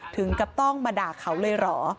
ถึงกับต้องมาด่าเขาเลยเหรอ